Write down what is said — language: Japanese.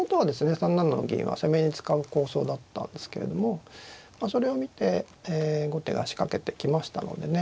３七の銀は攻めに使う構想だったんですけれどもそれを見て後手が仕掛けてきましたのでね